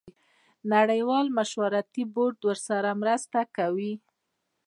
نړیوال مشورتي بورډ ورسره مرسته کوي.